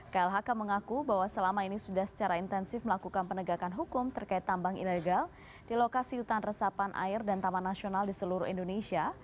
klhk mengaku bahwa selama ini sudah secara intensif melakukan penegakan hukum terkait tambang ilegal di lokasi hutan resapan air dan taman nasional di seluruh indonesia